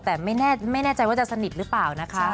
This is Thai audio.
แต่ไม่แน่ใจว่าจะสนิทหรือเปล่านะคะ